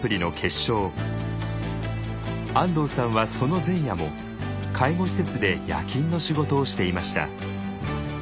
安藤さんはその前夜も介護施設で夜勤の仕事をしていました。